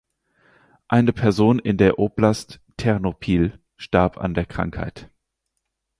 Eine Person in der Oblast Ternopil starb an der Krankheit.